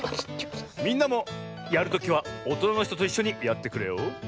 みんなもやるときはおとなのひとといっしょにやってくれよ。